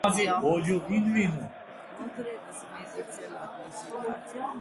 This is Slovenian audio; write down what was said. Modro je razumeti celotno situacijo.